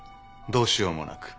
どうしようもなく。